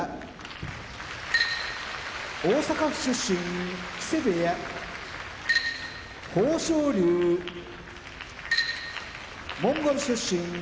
大阪府出身木瀬部屋豊昇龍モンゴル出身立浪部屋